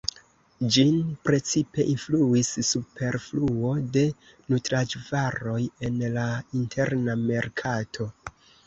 Ĝin precipe influis superfluo de nutraĵvaroj en la interna merkato.